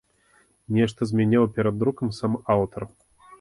Нешта змяняў перад друкам сам аўтар.